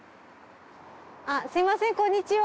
すみませんこんにちは。